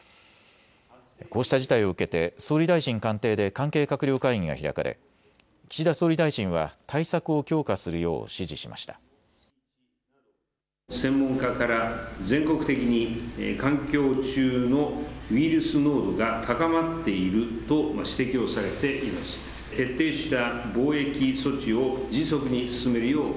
こうした事態を受けて総理大臣官邸で関係閣僚会議が開かれ岸田総理大臣は対策を強化するよう指示しました。